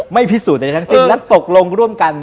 ไม่พิสูจน์ในทั้งสิ่งแล้วตกลงร่วมกัน